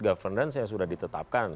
governance yang sudah ditetapkan